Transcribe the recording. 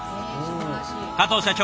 加藤社長